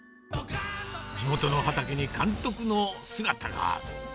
地元の畑に監督の姿が。